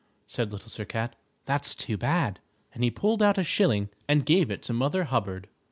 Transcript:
said Little Sir Cat, "that's too bad," and he pulled out a shilling and gave it to Mother Hubbard.